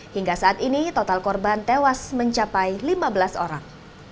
hingga saat ini total korban tewas mencapai lima belas orang